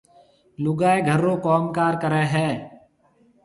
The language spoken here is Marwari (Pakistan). لُگائيَ گھر رو ڪوم ڪار ڪريَ هيَ۔